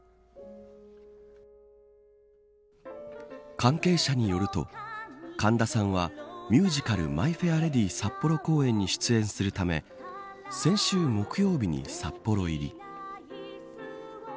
関係者によると神田さんはミュージカルマイ・フェア・レディ札幌公演に出演するため先週木曜日に札幌入り。